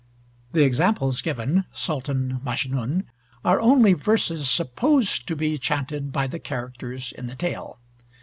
The examples given (Sultan Majnun) are only verses supposed to be chanted by the characters in the tale.